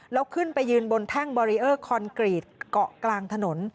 แล้วขึ้นไปยืนบนแท่งบารีเออร์คอนกรีตเกาะกลางถนน